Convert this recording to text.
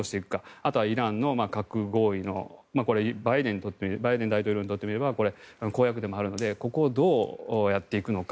あとはイランの核合意バイデン大統領にとってみれば公約でもあるのでここをどうやっていくのか。